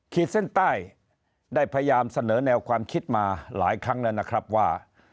ขีดเส้นใต้ได้พยายามเสนอแนวความคิดมาหลายครั้งแล้วนะครับว่า